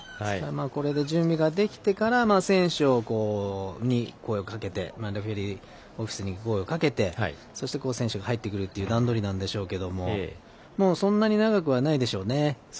これで、準備ができてから選手に声をかけてオフィスに声をかけてそして、選手が入ってくるという段取りなんでしょうけれどもそんなに長くはないでしょうね。